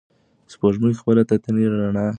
سپوږمۍ خپله تتې رڼا له خلکو څخه پټه کړې ده.